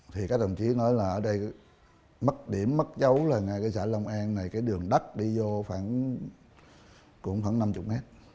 thì các đồng chí nói là ở đây mất điểm mất dấu là ngay cái xã long an này cái đường đất đi vô khoảng cũng khoảng năm mươi mét